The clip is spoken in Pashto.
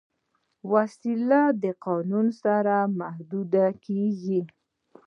وسله د قانون سره محدودېږي